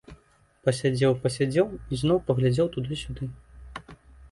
Пасядзеў, пасядзеў, ізноў паглядзеў туды-сюды.